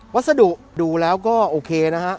วัสดุดูแล้วก็โอเคนะฮะ